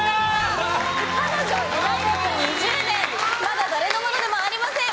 彼女いない歴２０年まだ誰のものでもありません！